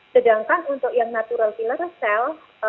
sedangkan untuk yang natural filler cell